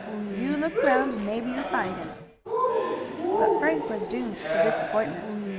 "You look round and maybe you find him." But Frank was doomed to disappointment.